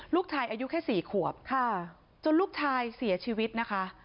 ลูกชายอายุแค่๔ขวบค่ะจนลูกชายเสียชีวิตนะคะ